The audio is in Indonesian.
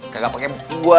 gak pake mungku gua